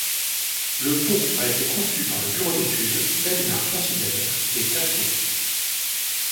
Le pont a été conçu par le bureau d'études Pelnard-Considère et Caquot.